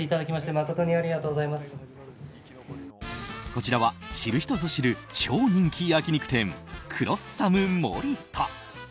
こちらは知る人ぞ知る超人気焼き肉店クロッサムモリタ。